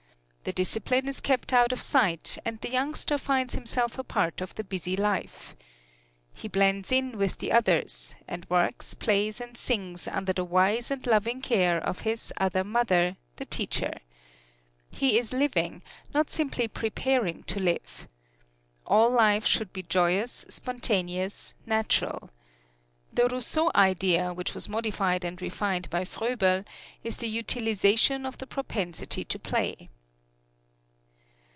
The discipline is kept out of sight, and the youngster finds himself a part of the busy life. He blends in with the others, and works, plays and sings under the wise and loving care of his "other mother," the teacher. He is living, not simply preparing to live. All life should be joyous, spontaneous, natural. The Rousseau Idea, which was modified and refined by Froebel, is the utilization of the propensity to play.